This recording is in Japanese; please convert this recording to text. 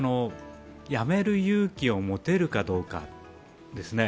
やめる勇気を持てるかどうかですね。